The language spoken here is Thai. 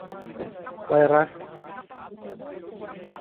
- ไวรัส